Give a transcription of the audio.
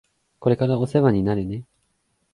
これからお世話になるね。